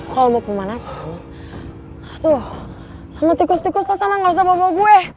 kalau mau pemanasan tuh sama tikus tikus kesana gak usah bawa bawa gue